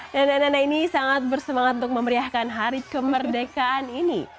nenek nenek ini sangat bersemangat untuk memeriahkan hari kemerdekaan ini